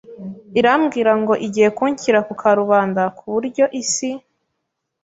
irambwira ngo igiye kunshyira ku karubanda ku buryo isi